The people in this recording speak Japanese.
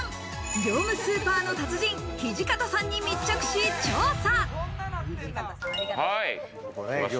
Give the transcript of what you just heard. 業務スーパーの達人・土方さんに密着し調査。